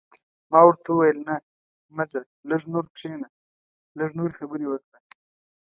ما ورته وویل: نه، مه ځه، لږ نور کښېنه، لږ نورې خبرې وکړه.